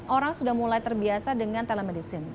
orang sudah mulai terbiasa dengan telemedicine